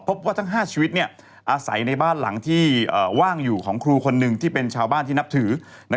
พบว่าทั้ง๕ชีวิตอาศัยในบ้านหลังที่ว่างอยู่ของครูคนหนึ่งที่เป็นชาวบ้านที่นับถือ